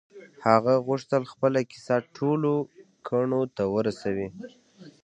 هغه غوښتل خپله کيسه ټولو کڼو ته ورسوي.